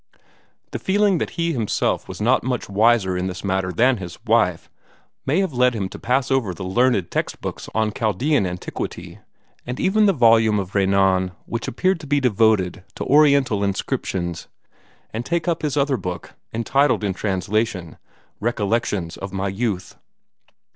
The feeling that he himself was not much wiser in this matter than his wife may have led him to pass over the learned text books on Chaldean antiquity, and even the volume of Renan which appeared to be devoted to Oriental inscriptions, and take up his other book, entitled in the translation, "Recollections of my Youth."